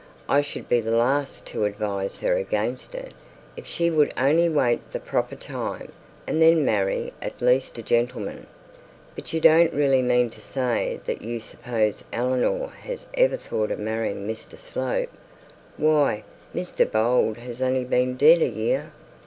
I should be the last to advise her against it, if she would only wait the proper time, and then marry at least a gentleman.' 'But you don't really mean to say that you suppose Eleanor has ever thought of marrying Mr Slope? Why, Mr Bold has only been dead a year.'